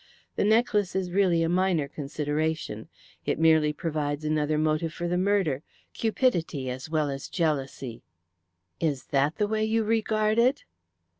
The necklace is really a minor consideration. It merely provides another motive for the murder cupidity as well as jealousy." "Is that the way you regard it?"